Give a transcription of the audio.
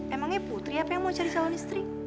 emangnya putri apa yang mau cari calon istri